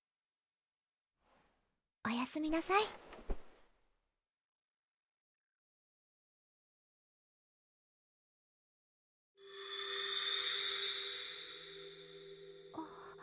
おやすみなさいうん？